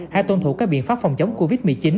hãy tôn thủ các biện pháp phòng chống covid một mươi chín